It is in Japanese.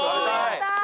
やった！